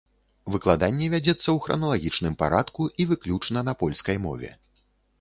Выкладанне вядзецца ў храналагічным парадку і выключна на польскай мове.